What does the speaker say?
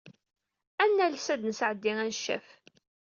Ad nales ad d-nesɛeddi aneccaf.